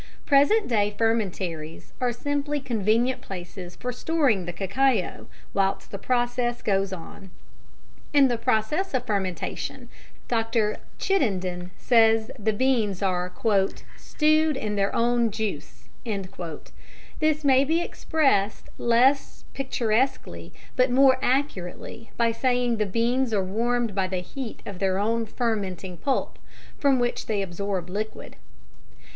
Present day fermentaries are simply convenient places for storing the cacao whilst the process goes on. In the process of fermentation, Dr. Chittenden says the beans are "stewed in their own juice." This may be expressed less picturesquely but more accurately by saying the beans are warmed by the heat of their own fermenting pulp, from which they absorb liquid.